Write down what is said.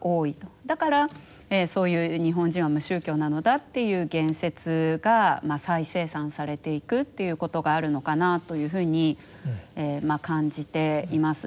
だからそういう日本人は無宗教なのだっていう言説が再生産されていくということがあるのかなというふうに感じています。